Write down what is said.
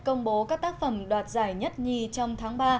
công bố các tác phẩm đoạt giải nhất nhì trong tháng ba